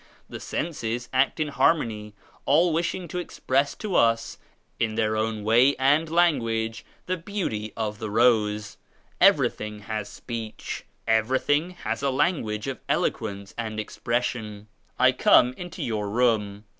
The senses act in harmony, all wishing to express to us in their own way and language, the beauty of the rose. Everything has speech; everything has a language of elo quence and expression. I come into your room.